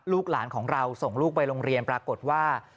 หลานของเราส่งลูกไปโรงเรียนปรากฏว่า